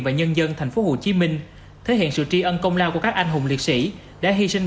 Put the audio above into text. và nhân dân thành phố hồ chí minh thể hiện sự tri ân công lao của các anh hùng liệt sĩ đã hy sinh